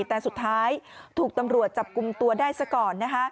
แต่สุดท้ายถูกตำรวจจับกลุ่มตัวได้ซะก่อน